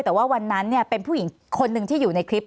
แต่ว่าวันนั้นเป็นผู้หญิงคนหนึ่งที่อยู่ในคลิป